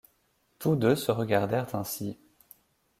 Tous deux se regardèrent ainsi.